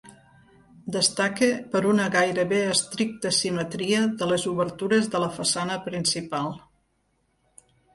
Destaca per una gairebé estricta simetria de les obertures de la façana principal.